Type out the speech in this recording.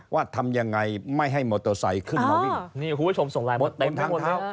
ว่าทำยังไงไม่ให้มอเตอร์ไซค์ขึ้นมาวิ่ง